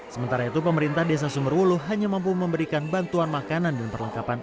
sementara itu pemerintah desa sumberwuluh hanya mampu memberikan bantuan makanan dan perlengkapan